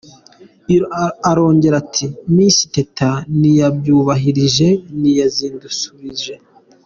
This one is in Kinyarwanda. Arongera ati “Miss Teta ntiyabyubahirije, ntiyazidusubije.